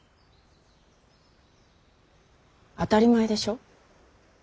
当たり前でしょう。